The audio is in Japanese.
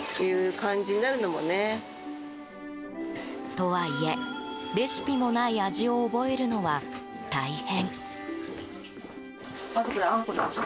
とはいえ、レシピもない味を覚えるのは大変。